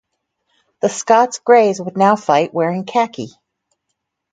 The Scots Greys would now fight wearing khaki.